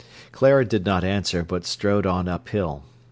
Clara did not answer, but strode on uphill.